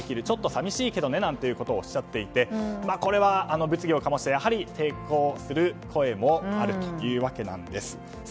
ちょっと寂しいけどねなんてことをおっしゃっていてこれは物議を醸してやはり抵抗する声もあるというわけです。